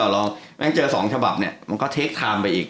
เราเจอ๒ฉบับเนี่ยมันก็เทคทาร์มไปอีก